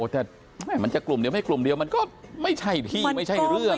แต่มันจะกลุ่มเดียวไม่กลุ่มเดียวมันก็ไม่ใช่ที่ไม่ใช่เรื่อง